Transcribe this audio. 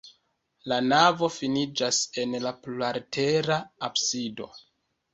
La navo finiĝas en plurlatera absido.